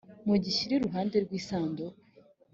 mugishyire iruhande rw isanduku